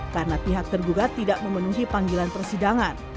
karena pihak tergugat tidak memenuhi panggilan persidangan